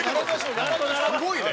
すごいね。